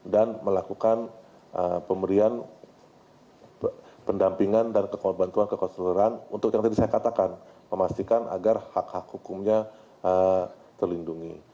dan melakukan pemberian pendampingan dan kekonsuleran untuk yang tadi saya katakan memastikan agar hak hak hukumnya terlindungi